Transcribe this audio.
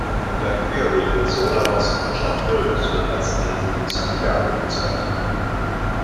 Ein Daiquiri mit Sodawasser und Chartreuse wird als "Daisy de Santiago" bezeichnet.